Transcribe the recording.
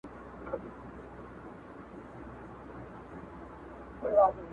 • هم د پېغلوټو هم جینکیو -